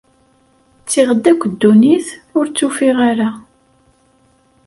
Ttiɣ-d akk ddunit, ur tt-ufiɣ ara.